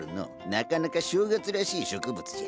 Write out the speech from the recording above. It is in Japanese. なかなか正月らしい植物じゃ。